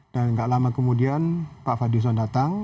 dan tidak lama kemudian pak fadison datang